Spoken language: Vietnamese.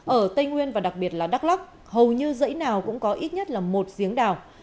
ở tây nguyên và đặc biệt là đắk lắc hầu như dãy nào cũng có ít nhất là một giếng đào